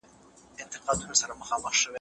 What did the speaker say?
سیاست په دولت پورې تړلی نه وو.